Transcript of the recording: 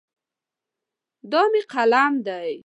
دا مې قلم دی.